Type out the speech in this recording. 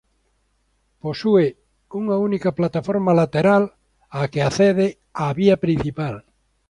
Posúe unha única plataforma lateral á que accede a vía principal.